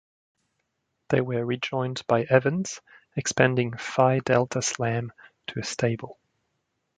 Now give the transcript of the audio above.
They were rejoined by Evans, expanding Phi Delta Slam to a stable.